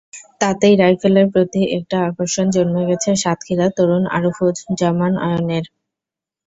তাতেই রাইফেলের প্রতি একটা আকর্ষণ জন্মে গেছে সাতক্ষীরার তরুণ আরিফুজ্জামান অয়নের।